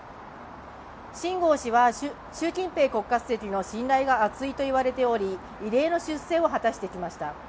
秦剛氏は習近平国家主席の信頼が厚いといわれており異例の出世を果たしてきました。